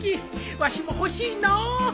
わしも欲しいのう。